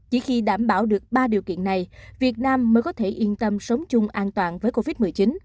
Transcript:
chỉ khi đảm bảo được ba điều kiện này việt nam mới có thể yên tâm sống chung an toàn với covid một mươi chín